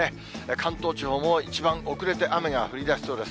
関東地方も一番遅れて雨が降りだしそうです。